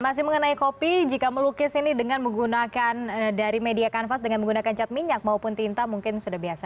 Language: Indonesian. masih mengenai kopi jika melukis ini dengan menggunakan dari media kanvas dengan menggunakan cat minyak maupun tinta mungkin sudah biasa